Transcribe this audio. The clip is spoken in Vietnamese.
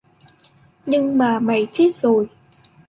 Nhưng mà mày chết rồi